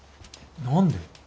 何で？